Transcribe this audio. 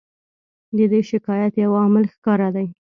د دې شکایت یو عامل ښکاره دی.